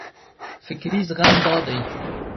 فکري زغم دا دی.